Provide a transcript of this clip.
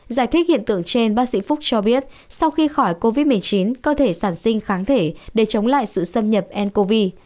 giải thích hiện tượng trên bác sĩ phúc cho biết sau khi khỏi covid một mươi chín cơ thể sản sinh kháng thể để chống lại sự xâm nhập ncov